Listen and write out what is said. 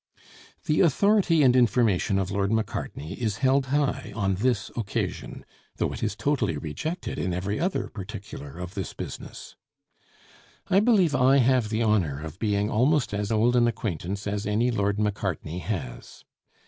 The authority and information of Lord Macartney is held high on this occasion, though it is totally rejected in every other particular of this business. I believe I have the honor of being almost as old an acquaintance as any Lord Macartney has.